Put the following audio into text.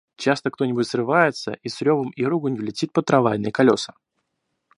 Часто кто-нибудь срывается и с ревом и руганью летит под трамвайные колеса.